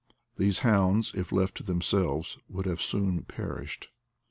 These hounds, if left to themselves, would have soon perished.